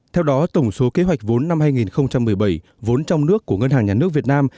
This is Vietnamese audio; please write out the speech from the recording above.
theo đó tổng số kế hoạch vốn năm hai nghìn một mươi bảy vốn trong nước của ngân hàng nhà nước việt nam